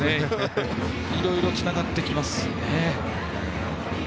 いろいろつながってきます。